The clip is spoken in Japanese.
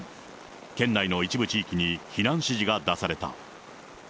県内の一部地域に避難指示が出された。